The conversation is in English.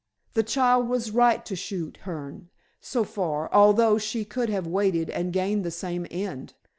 The child was right to shoot Hearne, so far, although she could have waited and gained the same end.